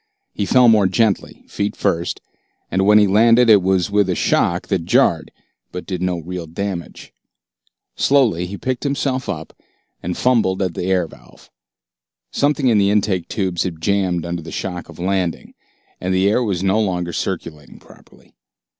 He fell more gently, feet first, and when he landed it was with a shock that jarred but did no real damage. Slowly he picked himself up and fumbled at the air valve. Something in the intake tubes had jammed under the shock of landing, and the air was no longer circulating properly.